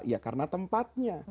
ya karena tempatnya